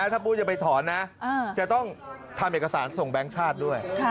ถ้าปุ้ยจะไปถอนนะจะต้องทำเอกสารส่งแบงค์ชาติด้วย